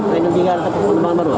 lain yang tiga lain yang tiga